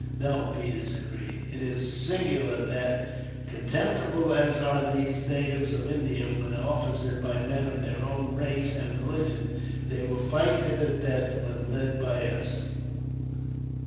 "No," Peters agreed. "It is singular that, contemptible as are these natives of India when officered by men of their own race and religion, they will fight to the death when led by us."